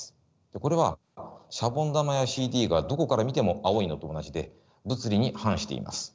これはシャボン玉やＣＤがどこから見ても青いのと同じで物理に反しています。